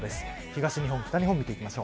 東日本、北日本です。